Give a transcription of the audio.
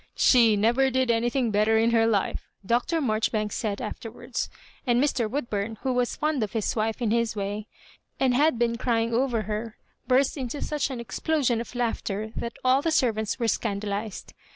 ^ She never did anything better in her life," Dr. Maijoribanks said afterwards ; and Mr. Woodbum, who was fond of his wife in his way, and had been crying over her, burst into such an explosion of laughter that all the ser vants were scandalised.